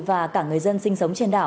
và cả người dân sinh sống trên đảo